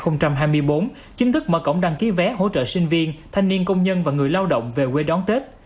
năm hai nghìn hai mươi bốn chính thức mở cổng đăng ký vé hỗ trợ sinh viên thanh niên công nhân và người lao động về quê đón tết